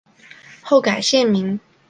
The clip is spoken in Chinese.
后改现名。